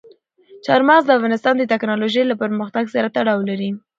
چار مغز د افغانستان د تکنالوژۍ له پرمختګ سره تړاو لري.